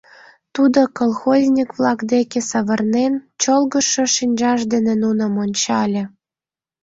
Тудо, колхозник-влак деке савырнен, чолгыжшо шинчаж дене нуным ончале.